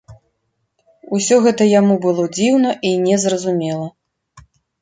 Усё гэта яму было дзіўна і незразумела.